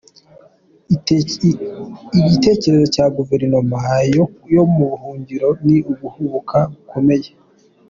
Igitekerezo cya Guverinoma yo mu buhungiro ni uguhubuka gukomeye